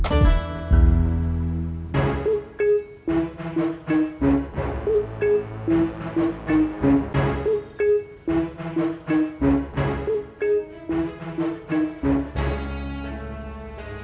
masa kalian nggak mau balas dendam